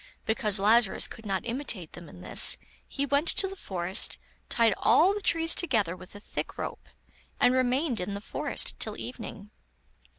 Because Lazarus could not imitate them in this, he went to the forest, tied all the trees together with a thick rope, and remained in the forest till evening.